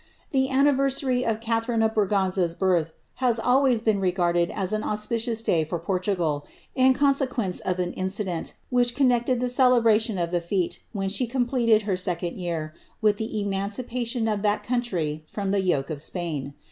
The anniversary of Catharine of Braganza^s birth has always been regarded as an auspicious day for Portugal, in consequence of an inci dent, which connected the celebration of tlie fi§te, when she com|^tcd her second year, with the emancipation of tliat country from the yoke of Spain.